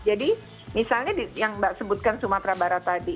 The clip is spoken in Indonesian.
jadi misalnya yang mbak sebutkan sumatera barat tadi